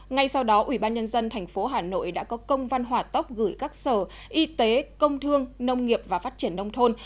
ngay sau đó ubnd tp hà nội đã có công văn hỏa tốc gửi các sở y tế công thương nông nghiệp và phát triển nông thôn